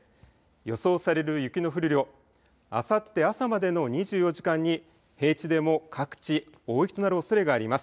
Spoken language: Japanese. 予想される雪の降る量、あさって朝までの２４時間に平地でも各地大雪となるおそれがあります。